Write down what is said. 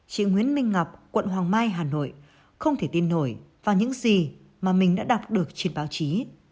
chị nguyễn minh ngọc quận hoàng mai hà nội không thể tin nổi vào những gì mà mình đã đọc được trên báo chí